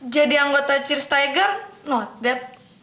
jadi anggota cheers tiger not bad